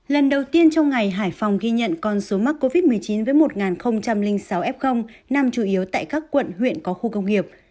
lần đầu tiên trong ngày hải phòng ghi nhận con số mắc covid một mươi chín với một sáu f nằm chủ yếu tại các quận huyện có khu công nghiệp